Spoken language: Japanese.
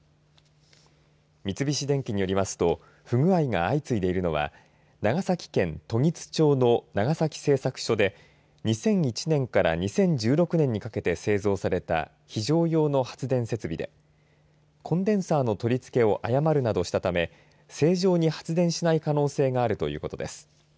三菱電機によりますと不具合が相次いでいるのは長崎県時津町の長崎製作所で２００１年から２０１６年にかけて製造された非常用の発電設備でコンデンサーの取り付けを誤るなどしたため正常に発電しない可能性があるということです。